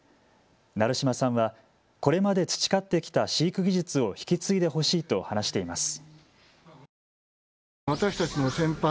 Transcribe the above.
成島さんはこれまで培ってきた飼育技術を引き継いでほしいと話しています。